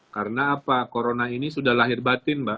karena apa corona ini sudah lahir batin mbak